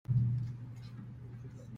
還滿想了解